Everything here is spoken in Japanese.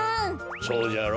そうじゃろ？